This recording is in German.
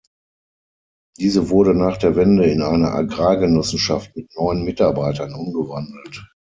Diese wurde nach der Wende in eine Agrargenossenschaft mit neun Mitarbeitern umgewandelt.